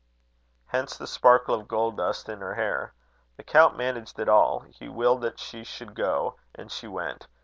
"Hence the sparkle of gold dust in her hair. The count managed it all. He willed that she should go, and she went.